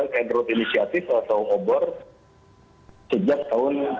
keterut inisiatif atau obor sejak tahun dua ribu tiga belas